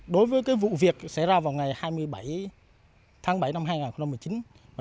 đối với vụ việc xảy ra vào ngày hai mươi bảy tháng bảy năm hai nghìn một mươi chín